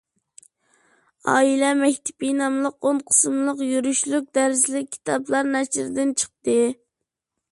«ئائىلە مەكتىپى» ناملىق ئون قىسىملىق يۈرۈشلۈك دەرسلىك كىتابلار نەشردىن چىقتى.